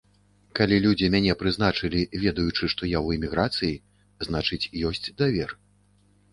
Калі людзі мяне прызначылі, ведаючы, што я ў эміграцыі, значыць, ёсць давер.